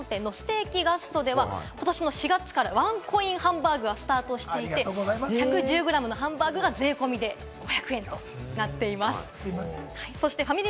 ファミレス・ガストのステーキハンバーグ専門店のステーキガストでは、ことしの４月からワンコインハンバーグはスタートしていて、１１０グラムのハンバーグが税込みで５００円となっています。